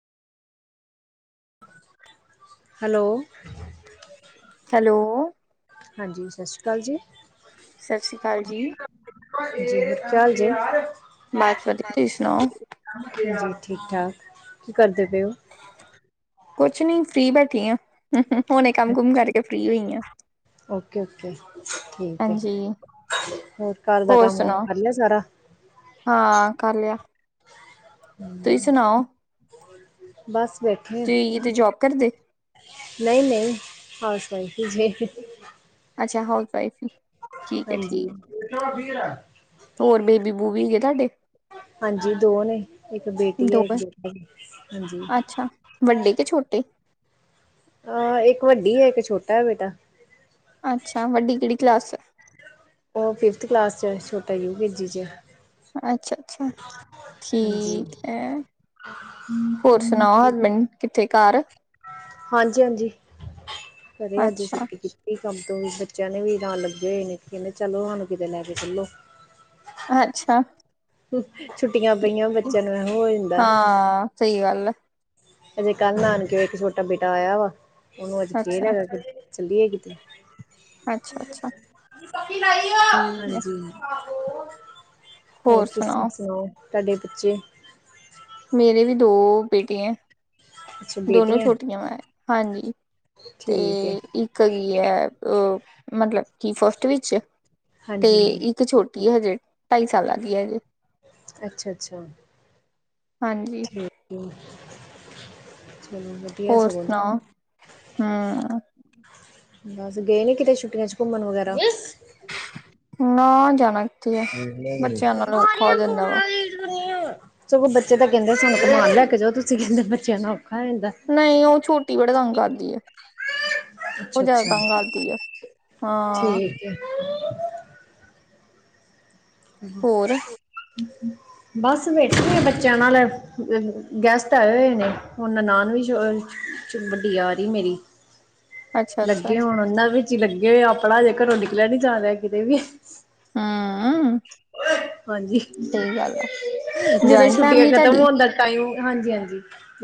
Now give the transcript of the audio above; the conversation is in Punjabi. ਹੈਲੋ ਹੈਲੋ ਹਾਂਜੀ, ਸਤਿ ਸ਼੍ਰੀ ਅਕਾਲ ਜੀ ਸਤਿ ਸ਼੍ਰੀ ਅਕਾਲ ਜੀ। ਜੀ, ਕੀ ਹਾਲ ਜੇ? ਬਸ ਵਧੀਆ, ਤੁਸੀਂ ਸੁਣਾਓ? ਜੀ, ਠੀਕ-ਠਾਕ, ਕੀ ਕਰਦੇ ਪਏ ਓ? ਕੁਛ ਨੀ, ਫ੍ਰੀ ਬੈਠੀਂ ਆ। ਹੁਣੇ ਕੰਮ-ਕੁਮ ਕਰਕੇ ਫ੍ਰੀ ਹੋਈ ਆਂ ਓਕੇ-ਓਕੇ ਠੀਕ ਹੈ, ਹਾਂਜੀ, ਹੋਰ ਘਰ ਦਾ ਹੋਰ ਕੰਮ-ਕੁਮ ਸੁਣਾਓ? ਕਰ ਲਿਆ ਸਾਰਾ? ਹਾਂ, ਕਰਲਿਆ ਬਸ ਬੇਠੇ ਆ ਤੁਸੀਂ ਕਿਤੇ ਜੋਬ ਕਰਦੇ? ਨਹੀਂ-ਨਹੀਂ, ਹਾਓਸ-ਵਾਇਫ ਜੇ ਅੱਛਾ, ਹਾਊਸ ਵਾਈਫ ਈ ਸਹੀ ਜੀ। ਹੋਰ ਬੇਬੀ-ਬੂਬੀ ਹੈਗੇ, ਤੁਹਾਡੇ? ਹਾਂਜੀ, ਦੋ ਨੇ, ਇੱਕ ਬੇਟੀ ਹੈ, ਦੋਵੇਂ ਇੱਕ ਬੇਟਾ, ਹਾਂਜੀ। ਵੱਡੀ ਕਿ, ਛੋਟੀ, ਅ, ਇੱਕ ਵੱਡੀ ਏ, ਇੱਕ ਛੋਟਾ ਹੈ ਬੇਟਾ ਅੱਛਾ, ਵੱਡੀ ਕਿਹੜੀ ਕਲਾਸ'ਚ? ਉਹ ਫਿਫਥ ਕਲਾਸ'ਚ, ਛੋਟਾ ਯੂ ਕੇ ਜੀ 'ਚ ਅੱਛਾ-ਅੱਛਾ, ਹਾਂਜੀ ਠੀਕ ਐ। ਹੋਰ ਸੁਣਾਓ ਹਸਬੈਂਡ ਕਿੱਥੇ ਘਰ? ਹਾਂਜੀ-ਹਾਂਜੀ। ਘਰੇ ਅੱਜ ਅੱਛਾ ਛੁੱਟੀ ਕੀ ਕੰਮ ਤੋਂ ਵੀ ਬੱਚਿਆਂ ਨੇ ਵੀ ਨਾਲ ਲੱਗੇ ਹੋਏ ਨੇ। ਕਹਿੰਦੇ ਚਲੋ ਸਾਨੂੰ ਕਿਤੇ ਲੈਕੇ ਚੱਲੋ। ਅੱਛਾ। ਛੁੱਟੀਆਂ ਪਈਆਂ ਬੱਚਿਆਂ ਨੂੰ ਐਹੋ ਜਾਂਦਾ। ਹਾਂ ਸਹੀ ਗੱਲ ਐ। ਅਜੇ ਕੱਲ ਨਾਨਕੇਓਂ ਇੱਕ ਛੋਟਾ ਬੇਟਾ ਆਇਆ ਵਾ। ਉਹਨੂੰ ਅੱਜ ਫੇਰ ਅੱਛਾ ਹੈਗਾ ਚੱਲੀਏ ਕਿਤੇ। ਅੱਛਾ ਅੱਛਾ। ਬਾਕੀ ਲਾਈ ਆ, ਠੀਕ ਹੈ ਹਾਂਜੀ। [unintelligible] ਹੋਰ ਤੁਸੀਂ ਸੁਣਾਓ ਤੁਹਾਡੇ ਬੱਚੇ? ਮੇਰੇ ਵੀ ਦੋ ਬੇਟੀਆਂ ਅੱਛਾ ਦੋਨੋ ਬੇਟੀਆਂ ਛੋਟੀਆਂ ਵਾ ਹਾਂਜੀ। ਤੇ ਠੀਕ ਹੈ ਇੱਕ ਹੈ ਗੀਏਅ ਮਤਲਬ ਕਿ ਫਸਟ ਵਿੱਚ। ਤੇ ਹਾਂਜੀ ਹਾਂਜੀ ਇੱਕ ਛੋਟੀ ਆ ਹਜੇ ਢਾਈ ਸਾਲਾਂ ਦੀਆ ਹਜੇ। ਅੱਛਾਯ-ਅੱਛਾ। ਹਾਂਜੀ। ਚਲੋ, ਵਧ ਹੋਰ ਸੁਣਾਓ, ਹੂੰ? ਬਸ ਗਏ ਨੀ ਕਿਤੇ ਛੁਟੀਆਂ ਚ ਘੁੰਮਣ ਵਗੈਰਾ? ਨਾ ਜਣਕ ਫ ਵਾ [unintelligible] ਸਗੋਂ ਬੱਚੇ ਤਾਂ ਕਹਿੰਦੇ ਸਾਨੂੰ ਕਮਣ ਲੈ ਕੇ ਜਾ ਤੁਸੀਂ ਕਹਿੰਦੇ ਬੱਚਿਆਂ ਨੂੰ ਔਖਾ ਜਾਂਦਾ। ਨਹੀਂ ਉਹ ਛੋਟੀ ਬੜੇ ਕੰਮ ਕਰਦੀ। ਉਹ ਅੱਛਾ ਜ਼ਿਆਦਾ ਅੱਛਾ ਤੰਗ ਆਦੀ ਆ ਹਾਂ। [unintelligible] ਹਮ। ਹੋਰ [unintelligible] ਬਸ ਬੈਠੇ ਬੱਚਿਆਂ ਨਾਲ ਗਸਟ ਆਏ ਹੋਏ ਨੇ ਉਹ ਨ ਨਾਨ ਵੀ ਚ ਵੱਡੀ ਆ ਰਹੀ ਮੇਰੀ। ਅੱਛਾ ਅੱਛਾ ਲੱਗੇ ਹੋੁਣ ਉਹਨਾਂ ਵਿੱਚ ਹੀ ਲੱਗੇ ਹੋਏ ਆਪਣਾ ਹਜੇ ਘਰੋਂ ਨਿਕਲਿਆ ਨੀ ਜਾ ਰਿਹਾ ਕਿਤੇ ਵੀ। ਹਾਂ। ਹਾਂਜੀ ਜਦੋਂ ਜੁਆਇੰਟ ਛੁੱਟੀਆਂ ਫੈਮਿਲੀ ਖਤਮ ਤੁਹਾਡੀ ਹੁੰਦਾ ਟਾਈਮ ਹਾਂਜੀ ਹਾਂਜੀ।